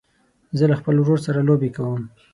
زه له خپل ورور سره لوبې کوم.